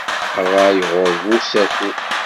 Ṛṛay, ɣuṛ bu usaku.